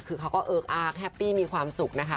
คือเขาก็เอิ๊กอาร์กแฮปปี้มีความสุขนะคะ